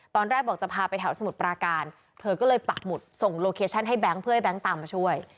ตอนแรกบอกจะพาไปแถวสมุทรปราการเธอก็เลยปักหมุดส่งโลเคชั่นให้แบงค์เพื่อให้แบงค์ตามมาช่วย